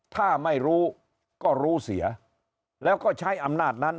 ถ้าไม่รู้ก็รู้เสียแล้วก็ใช้อำนาจนั้น